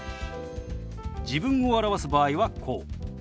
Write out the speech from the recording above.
自分を表す場合はこう。